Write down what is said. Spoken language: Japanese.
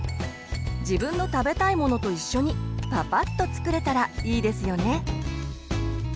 自分の食べたいものと一緒にパパッと作れたらいいですよね。